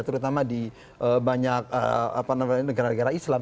terutama di banyak negara negara islam